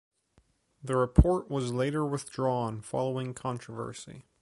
The report was later withdrawn following controversy.